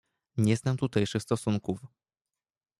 "Nie znam tutejszych stosunków."